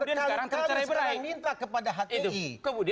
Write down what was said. kami sekarang minta kepada hti